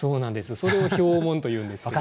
それを「氷紋」というんですけれど。